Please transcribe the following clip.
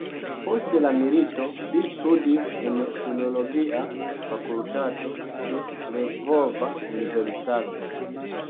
Post la milito li studis en filologia fakultato de Lvova universitato.